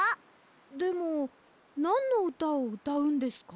でもなんのうたをうたうんですか？